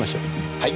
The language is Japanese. はい。